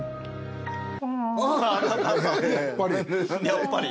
やっぱり？